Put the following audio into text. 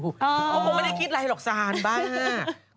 ผมไม่ได้คิดอะไรหรอกซานบ้าง